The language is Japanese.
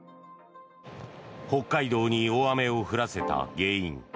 北海道に大雨を降らせた原因。